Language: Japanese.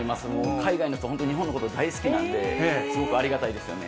海外の人、本当に日本のこと大好きなんで、すごくありがたいですよね。